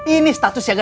ini status siaga satu